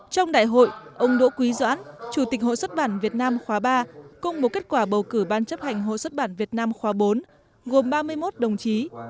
trong đại hội ông đỗ quý doãn chủ tịch hội xuất bản việt nam khóa ba công bố kết quả bầu cử ban chấp hành hội xuất bản việt nam khóa bốn gồm ba mươi một đồng chí